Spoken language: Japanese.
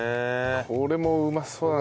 これもうまそうだな。